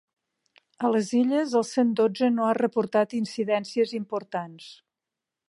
A les Illes, el cent dotze no ha reportat incidències importants.